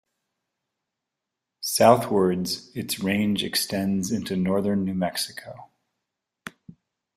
Southwards, its range extends into northern New Mexico.